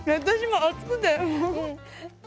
私も熱くて。